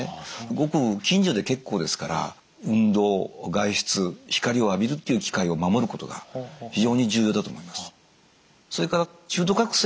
ごく近所で結構ですから運動外出光を浴びるっていう機会を守ることが非常に重要だと思います。